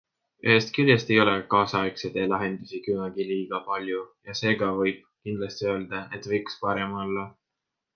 Ühest küljest ei ole kaasaegseid e-lahendusi kunagi liiga palju ja seega võib kindlasti öelda, et võiks parem olla.